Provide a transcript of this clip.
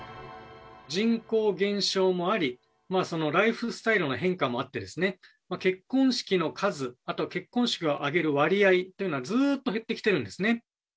人口減少もあり、ライフスタイルの変化もあって、結婚式の数、あと、結婚式を挙げる割合っていうのはずーっと減ってきてるんですね。